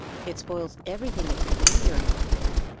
"It spoils everything if we are not there.